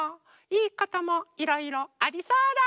いいこともいろいろありそうだ。